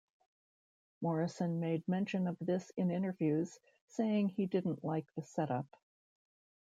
Morrison made mention of this in interviews, saying he didn't like the setup.